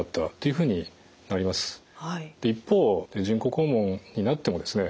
一方人工肛門になってもですね